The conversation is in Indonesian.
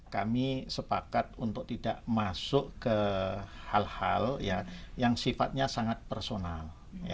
kami sepakat untuk tidak masuk ke hal hal yang sifatnya sangat personal